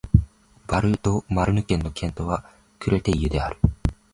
ヴァル＝ド＝マルヌ県の県都はクレテイユである